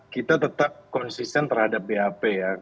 kita tetap konsisten terhadap bap ya